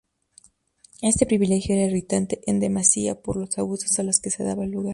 Este privilegio era irritante en demasía por los abusos a los que daba lugar.